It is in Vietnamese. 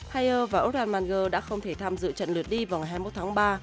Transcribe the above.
hajer và ojapmangwe đã không thể tham dự trận lượt đi vào ngày hai mươi một tháng ba